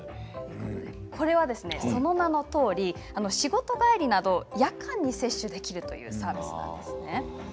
これは、その名のとおり仕事帰りなど夜間に接種できるというサービスなんです。